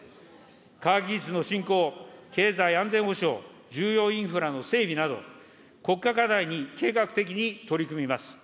科学技術の振興、経済安全保障、重要インフラの整備など、国家課題に計画的に取り組みます。